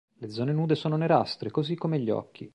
Le zone nude sono nerastre, così come gli occhi.